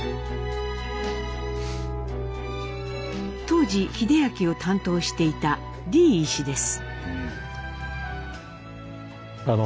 当時英明を担当していた李医師です。